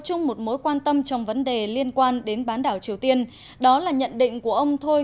chung một mối quan tâm trong vấn đề liên quan đến bán đảo triều tiên đó là nhận định của ông thôi